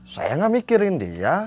saya gak mikirin dia